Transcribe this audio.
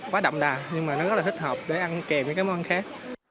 quá đậm đà nhưng mà nó rất là thích hợp để ăn kèm những cái món khác